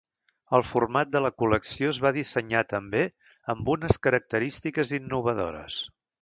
El format de la col·lecció es va dissenyar també amb unes característiques innovadores.